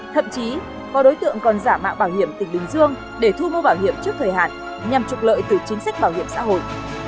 thậm chí có đối tượng còn giả mạo bảo hiểm tỉnh bình dương để thu mua bảo hiểm trước thời hạn nhằm trục lợi từ chính sách bảo hiểm xã hội